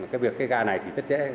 cái việc cái ga này thì rất dễ